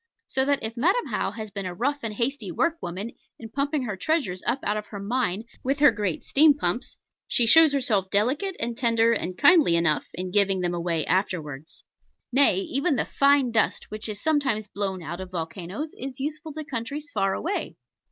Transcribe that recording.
So that if Madam How has been a rough and hasty workwoman in pumping her treasures up out of her mine with her great steam pumps, she shows herself delicate and tender and kindly enough in giving them away afterwards. Nay, even the fine dust which is sometimes blown out of volcanos is useful to countries far away.